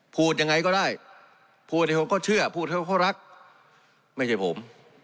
พูดยังไงก็ได้พูดคนก็เชื่อพูดคนก็รักไม่ใช่ผม